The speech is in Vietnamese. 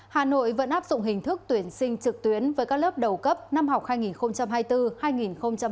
hà nội vẫn áp dụng hình thức tuyển sinh trực tuyến với các lớp đầu cấp năm học hai nghìn hai mươi bốn hai nghìn hai mươi năm